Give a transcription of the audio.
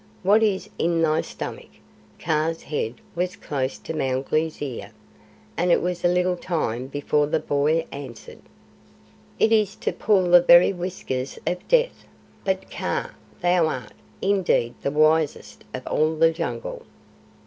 What is in thy stomach?" Kaa's head was close to Mowgli's ear; and it was a little time before the boy answered. "It is to pull the very whiskers of Death, but Kaa, thou art, indeed, the wisest of all the Jungle."